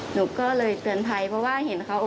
หนูก็เลยเตือนภัยเพราะว่าเห็นเขา